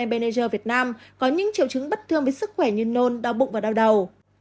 beneger việt nam có những triệu chứng bất thương với sức khỏe như nôn đau bụng và đau đầu